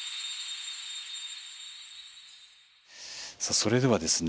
それではですね